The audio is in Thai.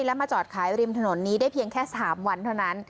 และมาจอดขายริมถนนนี้ได้เพียงแค่๓วันเท่านั้น